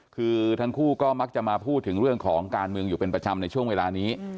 คือทั้งคู่ก็มักจะมาพูดถึงเรื่องของการเมืองอยู่เป็นประจำในช่วงเวลานี้